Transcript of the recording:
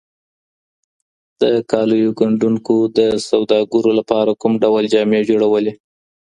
د کالیو ګنډونکو د سوداګرو لپاره کوم ډول جامې جوړولې؟